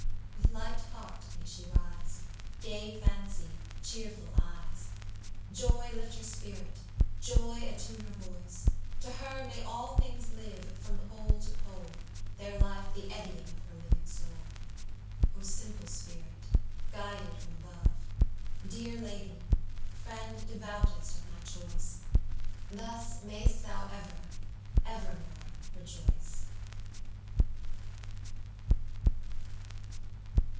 With light heart may she rise, Gay fancy, cheerful eyes. Joy lift her spirit, joy attune her voice; To her may all things live, from pole to pole, Their life the eddying of her living soul!O simple spirit, guided from above, Dear Lady! friend devoutest of my choice, Thus may'st thou ever, evermore rejoice.